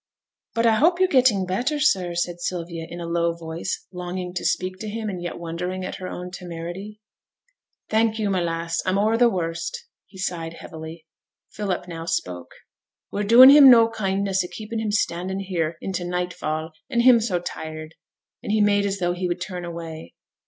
'But I hope you're getting better, sir,' said Sylvia, in a low voice, longing to speak to him, and yet wondering at her own temerity. 'Thank you, my lass. I'm o'er th' worst.' He sighed heavily. Philip now spoke. 'We're doing him no kindness a keeping him standing here i' t' night fall, and him so tired.' And he made as though he would turn away.